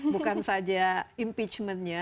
bukan saja impeachment nya